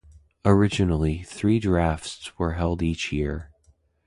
Originally, three drafts were held each year.